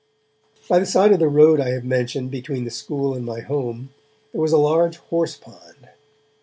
By the side of the road I have mentioned, between the school and my home, there was a large horse pond.